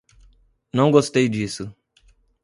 Não gostei disso